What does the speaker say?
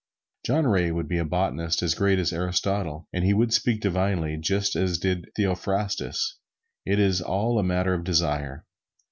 John Ray would be a botanist as great as Aristotle, and he would speak divinely, just as did Theophrastus. It is all a matter of desire!